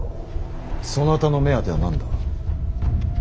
そなたの目当ては何だ。